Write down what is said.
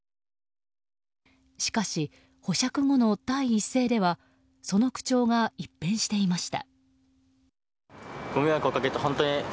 しかし、保釈後の第一声ではその口調が一変していました。